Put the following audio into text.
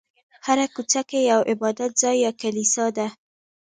هره کوڅه کې یو عبادت ځای یا کلیسا ده.